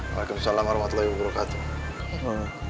waalaikumsalam warahmatullahi wabarakatuh